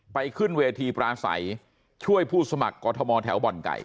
ไปขึ้นเวทีปราศัยช่วยผู้สมัครกรทมแถวบ่อนไก่